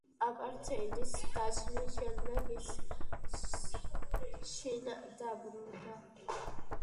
აპართეიდის დაშლის შემდეგ ის შინ დაბრუნდა.